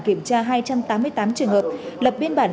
kiểm tra hai trăm tám mươi tám trường hợp lập biên bản